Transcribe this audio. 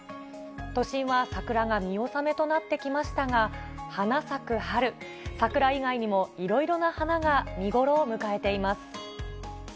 都心は桜が見納めとなってきましたが、花咲く春、桜以外にもいろいろな花が見頃を迎えています。